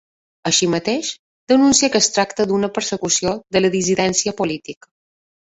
Així mateix, denuncia que es tracta d’una persecució de la dissidència política.